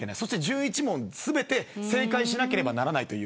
１１問全て正解しなければならない。